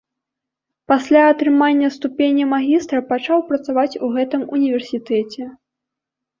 Пасля атрымання ступені магістра пачаў працаваць у гэтым універсітэце.